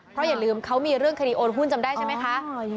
เพราะอย่าลืมเขามีเรื่องคดีโอนหุ้นจำได้ใช่ไหมคะ